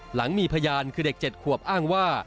หลังมีพยานคือเด็ก๗ขวบอ้างว่า